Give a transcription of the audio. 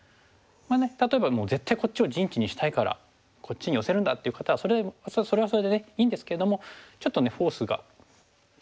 例えばもう絶対こっちを陣地にしたいからこっちに寄せるんだっていう方はそれはそれでいいんですけどもちょっとねフォースが固まってしまうといいますか。